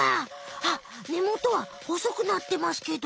あっねもとはほそくなってますけど。